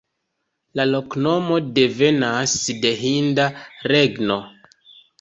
La loknomo devenas de hinda regno.